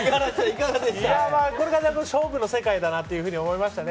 これが勝負の世界だなって思いましたね。